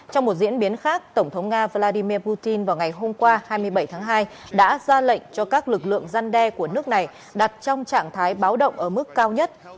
trong một diễn biến khác tổng thống nga vladimir putin vào ngày hôm qua hai mươi bảy tháng hai đã ra lệnh cho các lực lượng gian đe của nước này đặt trong trạng thái báo động ở mức cao nhất